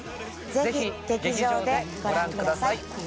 是非劇場でご覧ください。